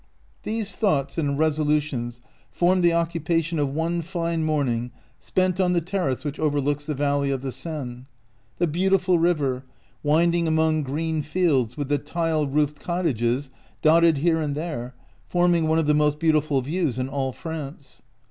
These thoughts and resolutions formed the occupation of one fine morning spent on the terrace which overlooks the valley of the Seine — the beautiful river, winding among green fields with the tile roofed cottages dotted here and there, forming one of the most beautiful views in all France.